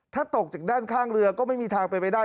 ถ้าตกจากด้านข้างเรือก็ไม่มีทางเป็นไปได้